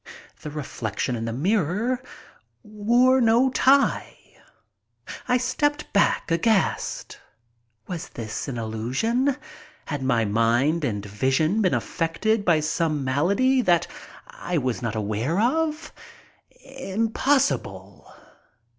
The reflection in the mirror wore no tie! I stepped back aghast. Was this an illusion? Had my mind and vision been affected by some malady that I was not aware of? Impossible!